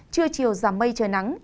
trưa chiều giảm mây trời nắng